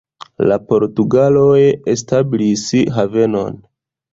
La portugaloj establis havenon.